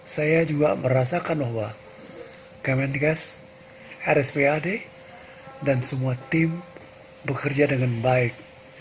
saya juga merasakan bahwa kemendikas rspad dan semua tim bekerja dengan baik